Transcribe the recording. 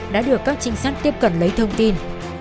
đã được các trinh sát tiếp cận lấy thông tin